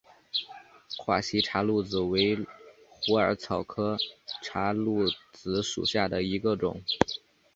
华西茶藨子为虎耳草科茶藨子属下的一个种。